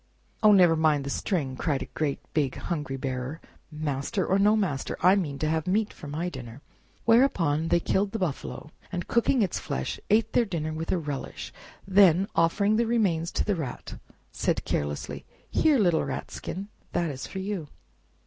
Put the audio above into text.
"Oh, never mind the string!" cried a great big hungry bearer; master or no master, I mean to have meat for my dinner!" Whereupon they killed the buffalo, and cooking its flesh, ate their dinner with a relish; then, offering the remains to the Rat, said carelessly, "Here, little Rat skin, that is for you!"